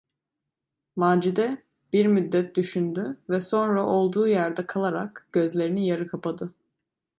Macide bir müddet düşündü ve sonra olduğu yerde kalarak gözlerini yarı kapadı.